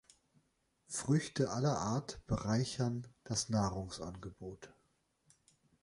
Früchte aller Art bereichern das Nahrungsangebot.